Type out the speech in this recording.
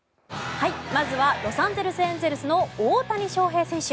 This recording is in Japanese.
まずはロサンゼルス・エンゼルスの大谷翔平選手。